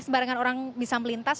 sebarangan orang bisa melintas